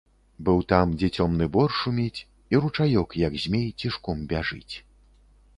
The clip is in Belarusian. Быў там, дзе цёмны бор шуміць і ручаёк, як змей, цішком бяжыць.